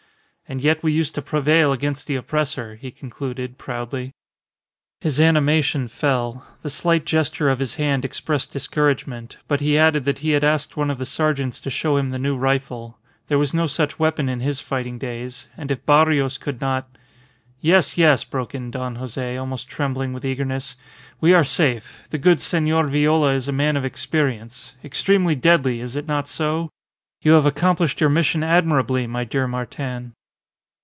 "And yet we used to prevail against the oppressor," he concluded, proudly. His animation fell; the slight gesture of his hand expressed discouragement; but he added that he had asked one of the sergeants to show him the new rifle. There was no such weapon in his fighting days; and if Barrios could not "Yes, yes," broke in Don Jose, almost trembling with eagerness. "We are safe. The good Senor Viola is a man of experience. Extremely deadly is it not so? You have accomplished your mission admirably, my dear Martin."